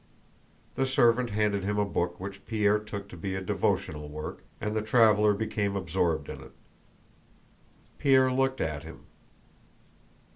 The servant handed him a book which Pierre took to be a devotional work, and the traveler became absorbed in it. Pierre looked at him.